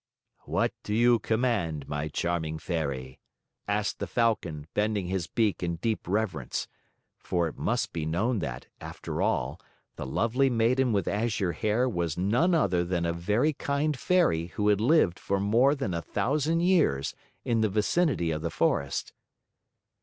"What do you command, my charming Fairy?" asked the Falcon, bending his beak in deep reverence (for it must be known that, after all, the Lovely Maiden with Azure Hair was none other than a very kind Fairy who had lived, for more than a thousand years, in the vicinity of the forest).